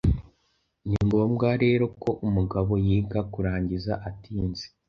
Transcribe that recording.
ni ngombwa rero ko umugabo yiga kurangiza atinze